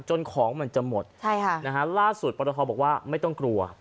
ของมันจะหมดล่าสุดปรตทบอกว่าไม่ต้องกลัว